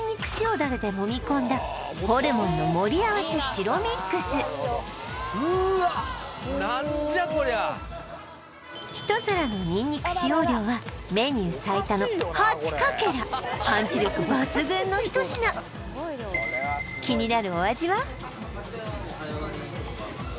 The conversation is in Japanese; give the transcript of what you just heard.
だれでもみこんだホルモンの盛り合わせ白ミックスうーわっ一皿のにんにく使用量はメニュー最多の８かけらパンチ力抜群の一品気になる